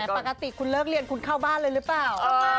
ปกติคุณเลิกเรียนคุณเข้าบ้านเลยหรือเปล่า